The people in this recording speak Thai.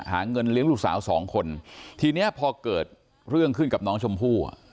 เงินเลี้ยงลูกสาวสองคนทีเนี้ยพอเกิดเรื่องขึ้นกับน้องชมพู่